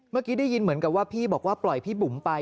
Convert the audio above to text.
เมื่อกี้ได้ยินเหมือนกับว่าพี่บอกว่าปล่อยพี่บุ๋มไป